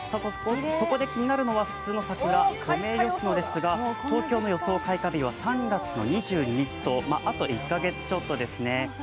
ここで気になるのは普通の桜ソメイヨシノですが東京の予想開花日は３月２２日とあと１カ月ちょっとですね。